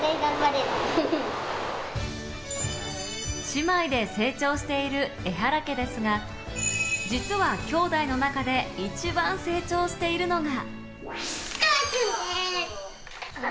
姉妹で成長しているエハラ家ですが、実はきょうだいの中で一番成長しているのが。